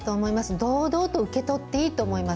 堂々と受け取っていいと思います。